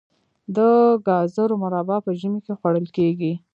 د ګازرو مربا په ژمي کې خوړل کیږي.